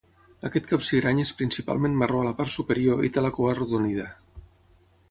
Aquest capsigrany és principalment marró a la part superior i té la cua arrodonida.